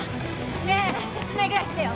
ねえ説明ぐらいしてよ！